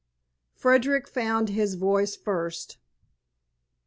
Frederick found his voice first.